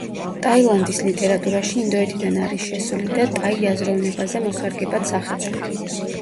ტაილანდის ლიტერატურაში ინდოეთიდან არის შესული და ტაი აზროვნებაზე მოსარგებად სახეცვლილი.